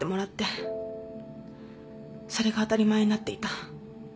それが当たり前になっていた。